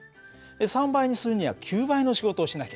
３倍にするには９倍の仕事をしなきゃいけない。